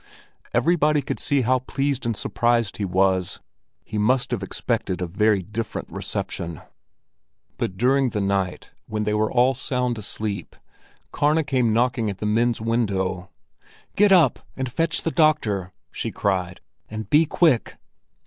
Everybody could see how pleased and surprised he was. He must have expected a very different reception. But during the night, when they were all sound asleep, Karna came knocking at the men's window. "Get up and fetch the doctor!" she cried, "and be quick!"